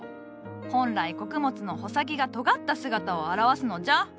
本来穀物の穂先がとがった姿を表すのじゃ。